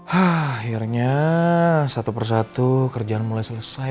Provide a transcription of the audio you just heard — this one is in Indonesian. hah akhirnya satu persatu kerjaan mulai selesai